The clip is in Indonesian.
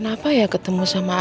sampai ketemu ga